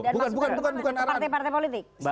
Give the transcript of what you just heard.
ke partai partai politik